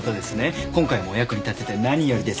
今回もお役に立てて何よりです。